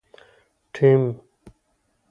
ټیم